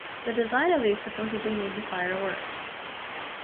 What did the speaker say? The design of these supposedly made the fire worse.